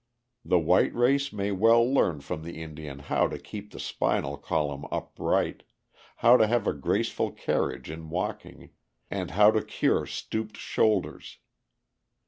The white race may well learn from the Indian how to keep the spinal column upright, how to have a graceful carriage in walking, and how to cure stooped shoulders.